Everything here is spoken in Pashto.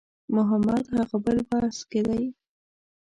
محمد هغه بل بس کې دی.